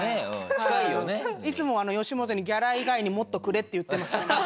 いつも吉本に「ギャラ以外にもっとくれ」って言ってます。